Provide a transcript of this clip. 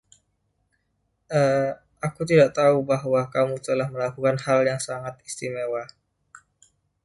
A— aku tidak tahu bahwa kamu telah melakukan hal yang sangat istimewa.